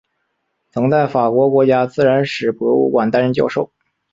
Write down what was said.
曾在法国国家自然史博物馆担任教授。